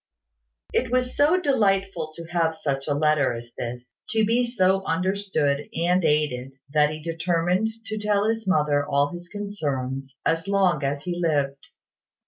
It was so delightful to have such a letter as this, to be so understood and aided, that he determined to tell his mother all his concerns, as long as he lived.